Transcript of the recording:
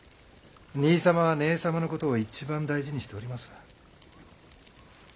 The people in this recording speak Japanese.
兄様は義姉様のことを一番大事にしております。